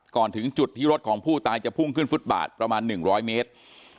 ก่อนถึงจุดที่รถของผู้ตายจะพุ่งขึ้นฟุตบาทประมาณ๑๐๐เมตร